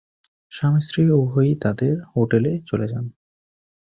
স্বামী-স্ত্রী উভয়ই তাদের হোটেলে চলে যান।